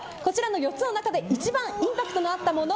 ４つの中で一番インパクトのあったもの